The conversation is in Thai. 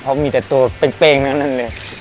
เพราะมีแต่ตัวเป้งทั้งนั้นเลย